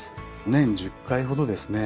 年１０回ほどですね